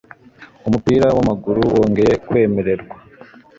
umupira wamaguru wongeye kwemererwa